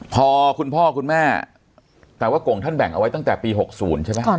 พอคุณพ่อคุณแม่แต่ว่ากงท่านแบ่งเอาไว้ตั้งแต่ปี๖๐ใช่ไหม